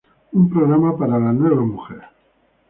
Un programa para la nueva mujer".